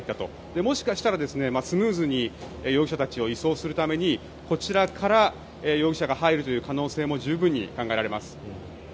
もしかしたらスムーズに容疑者たちを移送するためにこちらから容疑者が入る可能性も十分に考えられます。